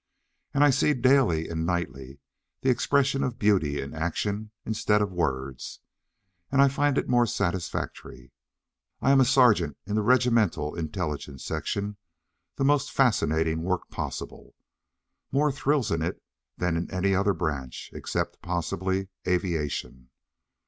And I see daily and nightly the expression of beauty in action instead of words, and I find it more satisfactory. I am a sergeant in the regimental intelligence section the most fascinating work possible more thrills in it than in any other branch, except, possibly, aviation.